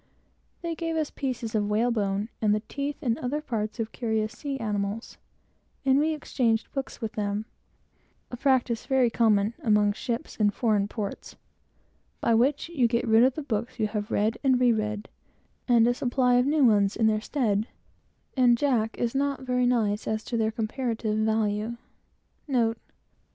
They gave us pieces of whalebone, and the teeth and other parts of curious sea animals, and we exchanged books with them a practice very common among ships in foreign ports, by which you get rid of the books you have read and re read, and a supply of new ones in their stead, and Jack is not very nice as to their comparative value.